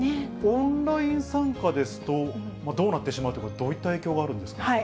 オンライン参加ですと、どうなってしまうというか、どういった影響があるんですか？